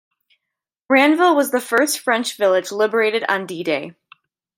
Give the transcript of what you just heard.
Ranville was the first French village liberated on D-Day.